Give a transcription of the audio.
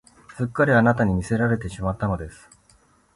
すっかりあなたに魅せられてしまったのです